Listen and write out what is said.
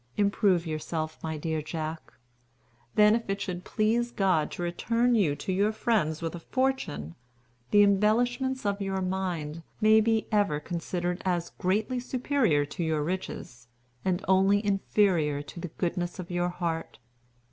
Improve yourself, my dear Jack. Then if it should please God to return you to your friends with a fortune, the embellishments of your mind may be ever considered as greatly superior to your riches, and only inferior to the goodness of your heart.